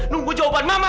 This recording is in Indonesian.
nunggu jawaban mama